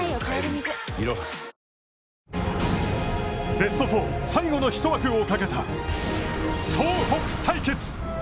ベスト４最後の一枠をかけた東北対決。